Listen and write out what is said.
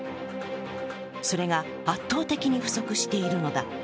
それが圧倒的に不足しているのだ。